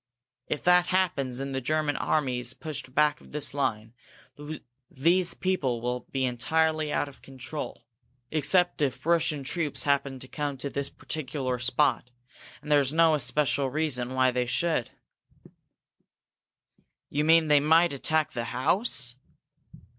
If that happens and the German army is pushed back of this line, these people will be entirely out of control, except if Russian troops happen to come to this particular spot and there's no especial reason why they should." "You mean they might attack the house?"